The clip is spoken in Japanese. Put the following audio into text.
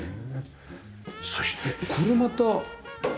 そしてこれまた共通？